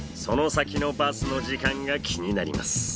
その先のバスの時間が気になります。